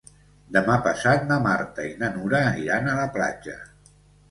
Demà passat na Marta i na Nura aniran a la platja.